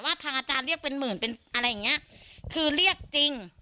ทางอาจารย์เรียกเป็นหมื่นเป็นอะไรอย่างเงี้ยคือเรียกจริง